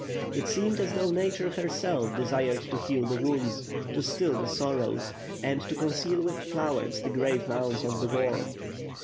It seemed as though Nature, herself, desired to heal the wounds; to still the sorrows; and to conceal with flowers the grave mounds of the war.